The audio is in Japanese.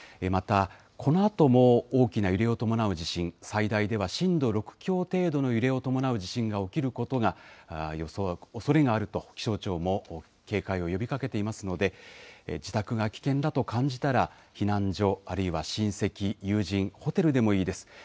また、このあとも大きな揺れを伴う地震、最大では震度６強程度の揺れを伴う地震が起きるおそれがあると、気象庁も警戒を呼びかけていますので、自宅が危険だと感じたら、避難所、あるいは親戚、友人、ホテルでもいいです。